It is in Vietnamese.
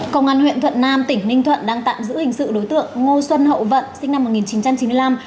công an huyện thuận nam tỉnh ninh thuận đang tạm giữ hình sự đối tượng ngô xuân hậu vận sinh năm một nghìn chín trăm chín mươi năm